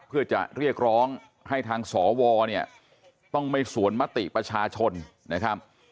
เพื่อจะเรียกร้องให้ทางสวเนี่ยต้องไม่สวนมติประชาชนนะครับ